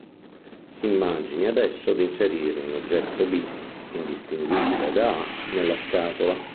Si immagini adesso di inserire un oggetto B, indistinguibile da A nella scatola.